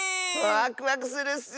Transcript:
ワクワクするッス！